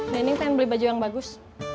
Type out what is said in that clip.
nah ini pengen beli baju yang bagus